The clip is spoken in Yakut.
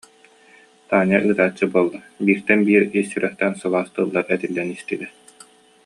Таня ыытааччы буолла, бииртэн биир ис сүрэхтэн сылаас тыллар этиллэн истилэр